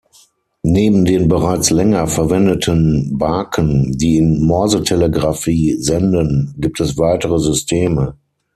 Neben den bereits länger verwendeten Baken, die in Morsetelegrafie senden, gibt es weitere Systeme.